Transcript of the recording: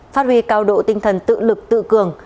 phát huy cao độ tinh thần tự lực tự cường